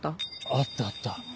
あったあった。